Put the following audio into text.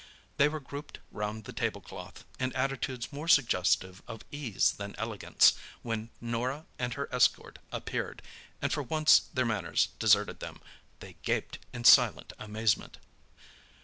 They were grouped round the table cloth, in attitudes more suggestive of ease than elegance, when Norah and her escort appeared, and for once their manners deserted them. They gaped in silent amazement.